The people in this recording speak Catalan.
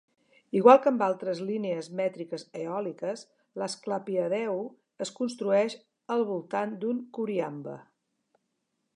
Igual que amb altres línies mètriques eòliques, l'asclepiadeu es construeix al voltant d'un coriambe.